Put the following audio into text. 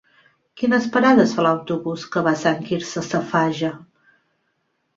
Quines parades fa l'autobús que va a Sant Quirze Safaja?